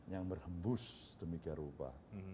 yang berhembus demi carupa